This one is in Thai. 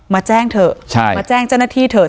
มาแจ้งเถอะมาแจ้งเจ้าหน้าที่เถอะ